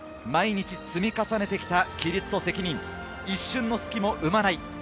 毎日積み重ねてきた規律と責任、一瞬の隙も生まない。